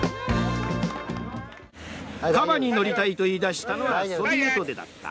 カバに乗りたいと言い出したのはソビエトでだった。